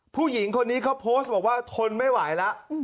ผู้หญิงคนนี้เขาโพสต์บอกว่าทนไม่ไหวแล้ว